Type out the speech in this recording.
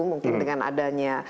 mungkin dengan adanya